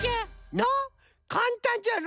なあかんたんじゃろ？